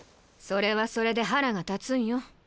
それはそれで腹が立つんよ。